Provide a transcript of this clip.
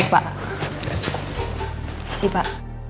terima kasih pak